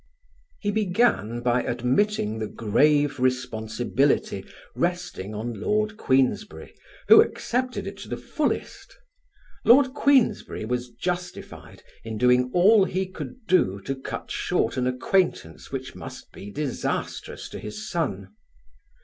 He began by admitting the grave responsibility resting on Lord Queensberry, who accepted it to the fullest. Lord Queensberry was justified in doing all he could do to cut short an acquaintance which must be disastrous to his son.